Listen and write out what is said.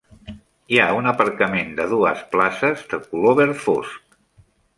Hi ha un aparcament de dues places, de color verd fosc.